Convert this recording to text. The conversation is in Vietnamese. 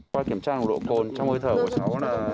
qua kiểm tra nồng độ cồn trong hơi thở của chúng là